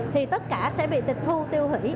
thì tất cả sẽ bị tịch thu tiêu hủy